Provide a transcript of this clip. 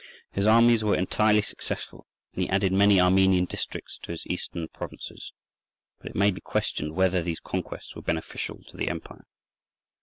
His arms were entirely successful, and he added many Armenian districts to his Eastern provinces; but it may be questioned whether these conquests were beneficial to the empire.